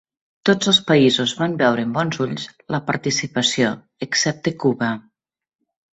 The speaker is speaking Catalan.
Tots els països van veure amb bons ulls la participació excepte Cuba.